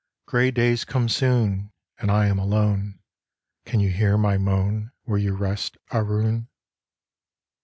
Grey days come soon And I am alone; Can you hear my moan Where you rest, Aroon?